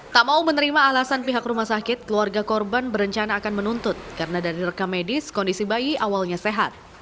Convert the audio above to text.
tak mau menerima alasan pihak rumah sakit keluarga korban berencana akan menuntut karena dari rekam medis kondisi bayi awalnya sehat